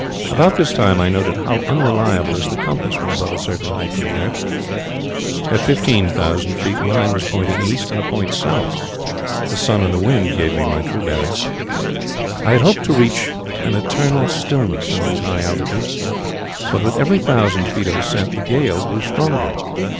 About this time I noted how unreliable is the compass when above a certain height from earth. At fifteen thousand feet mine was pointing east and a point south. The sun and the wind gave me my true bearings. "I had hoped to reach an eternal stillness in these high altitudes, but with every thousand feet of ascent the gale grew stronger.